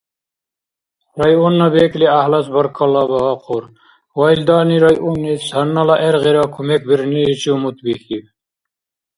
Районна бекӏли гӏяхӏлас баркалла багьахъур ва илдани районнис гьаннала гӏергъира кумекбирниличи умутбихьиб.